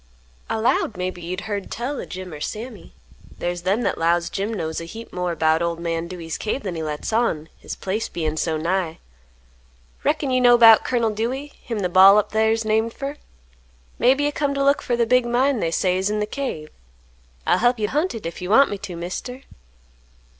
"I 'lowed maybe you'd heard tell o' Jim or Sammy. There's them that 'lows Jim knows a heap more 'bout old man Dewey's cave than he lets on; his place bein' so nigh. Reckon you know 'bout Colonel Dewey, him th' Bal' up thar's named fer? Maybe you come t' look fer the big mine they say's in th' cave? I'll hep you hunt hit, if you want me to, Mister."